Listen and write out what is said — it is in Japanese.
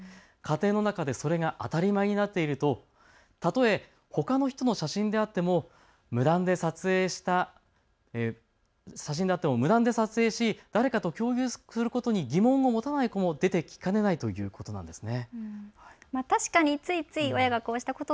家庭の中でそれが当たり前になっているとたとえほかの人の写真であっても無断で撮影した写真であっても無断で撮影し誰かと共有することに疑問を持たない方も出てくるということなんですね。